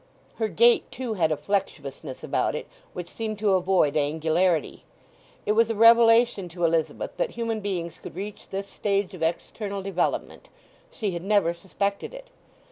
Her gait, too, had a flexuousness about it, which seemed to avoid angularity. It was a revelation to Elizabeth that human beings could reach this stage of external development—she had never suspected it.